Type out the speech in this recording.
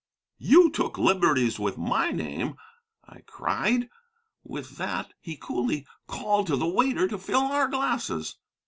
'You took liberties with my name,' I cried. With that he coolly called to the waiter to fill our glasses.